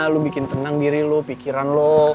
lu bikin tenang diri lo pikiran lo